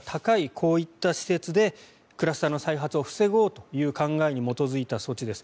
こういった施設でクラスターの再発を防ごうという考えに基づいた措置です。